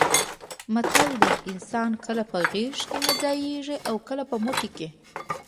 متل دی: انسان کله په غېږه کې نه ځایېږي اوکله په موټي کې.